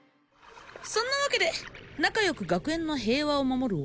そんなわけで仲良く学園の平和を守る